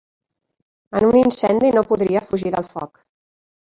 En un incendi no podria fugir del foc.